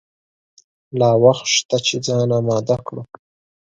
لا وخت شته چې ځان آمده کړو.